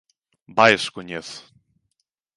Vaia se o coñezo.